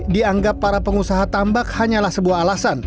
dianggap para pengusaha tambak hanyalah sebuah alasan